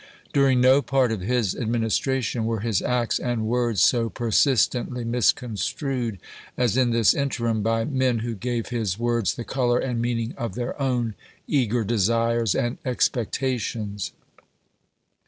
During no part of his Administration were his acts and words so persistently misconstrued as in this interim by men who gave his words the color and meaning of their own eager desires and expec tations.